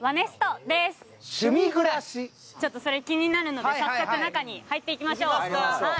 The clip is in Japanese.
ちょっとそれ気になるので早速、中に入っていきましょう。